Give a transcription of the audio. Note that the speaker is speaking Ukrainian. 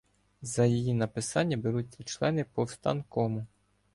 За її написання беруться члени повстанкому.